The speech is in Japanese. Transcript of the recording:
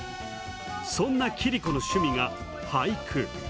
そんな桐子の趣味が、俳句。